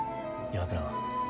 岩倉は。